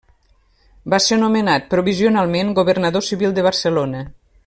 Va ser nomenat provisionalment governador civil de Barcelona.